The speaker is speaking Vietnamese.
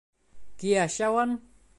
Kìa Sao Anh